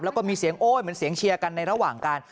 แล้วก็มีเสียงโอ๊ยเหมือนเสียงเชียร์กันในระหว่างการ